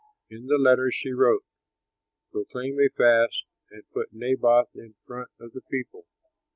In the letters she wrote, "Proclaim a fast and put Naboth in front of the people.